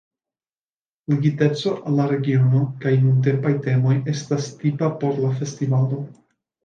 Ligiteco al la regiono kaj nuntempaj temoj estas tipa por la festivalo.